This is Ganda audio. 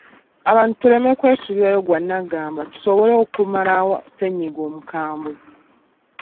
Abantu tuleme kwesuulirayo gwa nnagamba tusobola okumalawo ssenyiga omukambwe